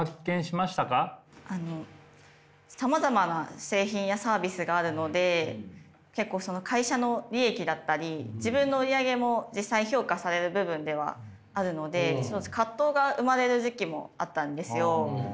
あのさまざまな製品やサービスがあるので結構その会社の利益だったり自分の売り上げも実際評価される部分ではあるので葛藤が生まれる時期もあったんですよ。